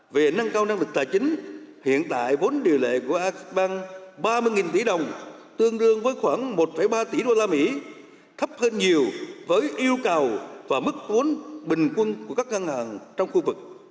về nâng cao năng lực tài chính hiện tại vốn điều lệ của asbank ba mươi tỷ đồng tương đương với khoảng một ba tỷ usd thấp hơn nhiều với yêu cầu và mức vốn bình quân của các ngân hàng trong khu vực